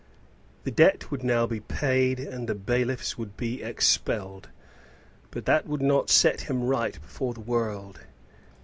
The debt would now be paid, and the bailiffs would be expelled; but that would not set him right before the world.